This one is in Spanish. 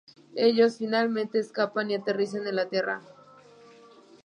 Ellos finalmente escapan y aterrizan en la Tierra.